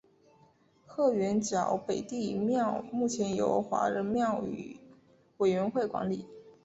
鹤园角北帝庙目前由华人庙宇委员会管理。